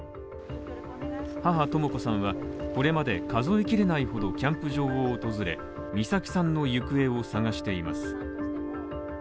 母、とも子さんはこれまで数えきれないほどキャンプ場を訪れ美咲さんの行方を捜しています。